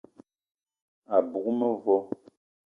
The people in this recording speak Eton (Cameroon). A bug mevo